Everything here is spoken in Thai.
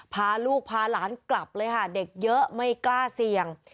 พาลูกพาหลานกลับเลยค่ะเด็กเยอะไม่กล้าเสี่ยง